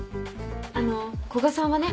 あの古賀さんはね